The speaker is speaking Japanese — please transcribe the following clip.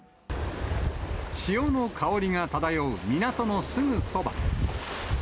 潮の香りが漂う港のすぐそば。